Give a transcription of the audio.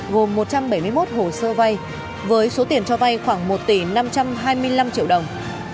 gồm một trăm bảy mươi một hồ sơ vay với số tiền cho vay khoảng một tỷ năm trăm hai mươi năm triệu đồng